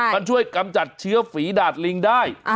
มันช่วยกำจัดเชื้อฝีดาดลิงได้